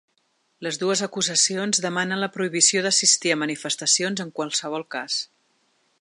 Les dues acusacions demanen la prohibició d'assistir a manifestacions en qualsevol cas.